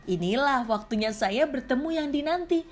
inilah waktunya saya bertemu yang dinanti